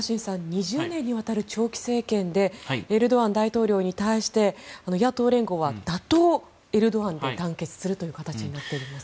２０年にわたる長期政権でエルドアン大統領に対して野党連合は打倒エルドアンで団結するという形になってます。